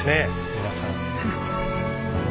皆さん。